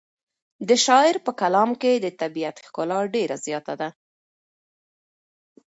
د شاعر په کلام کې د طبیعت ښکلا ډېره زیاته ده.